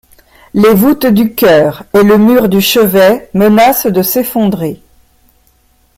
Les voûtes du chœur et le mur du chevet menacent de s'effondrer.